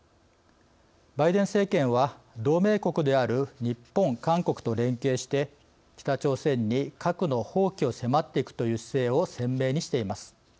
バイデン政権は同盟国である日本韓国と連携して北朝鮮に核の放棄を迫っていくという姿勢を鮮明にしています。